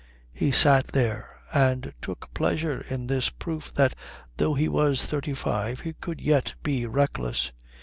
He sat there and took pleasure in this proof that though he was thirty five he could yet be reckless.